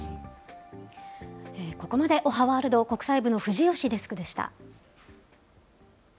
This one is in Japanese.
ここまで、おはワールド、国際部の藤吉デスクでした。